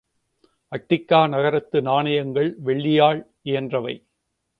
அட்டிக்கா நகரத்து நாணயங்கள் வெள்ளியால் இயன்றவை.